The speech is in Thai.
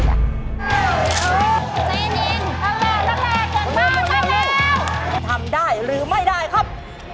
ทำได้หรือไม่ได้ครับ